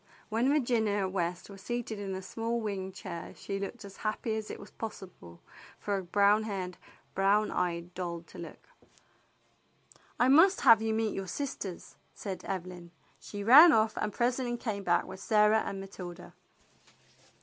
When Virginia West was seated in the small wing chair she looked as happy as it was possible for a brown haired, brown eyed doll to look. "I must have you meet your sisters," said Evelyn. She ran off and presently came back with Sarah and Matilda.